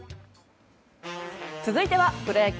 続いてはプロ野球。